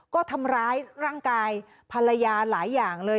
ก็ทำร้ายร่างกายภรรยาหลายอย่างเลย